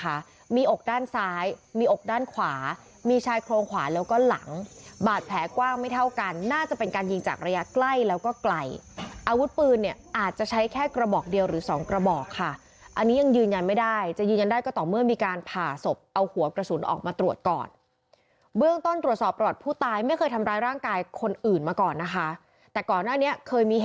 ของผู้ตายนะคะมีอกด้านซ้ายมีอกด้านขวามีชายโครงขวาแล้วก็หลังบาดแผลกว้างไม่เท่ากันน่าจะเป็นการยิงจากระยะใกล้แล้วก็ไกลอาวุธปืนเนี่ยอาจจะใช้แค่กระบอกเดียวหรือสองกระบอกค่ะอันนี้ยังยืนยันไม่ได้จะยืนยันได้ก็ต่อเมื่อมีการผ่าศพเอาหัวกระสุนออกมาตรวจก่อนเบื้องต้นตรวจสอบประวัติผู้ตายไม่